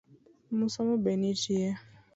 Musoma be nitie?